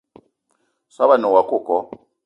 Soobo a ne woua coco